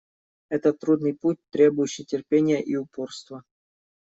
Это трудный путь, требующий терпения и упорства.